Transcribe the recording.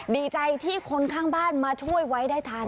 ดีใจที่คนข้างบ้านมาช่วยไว้ได้ทัน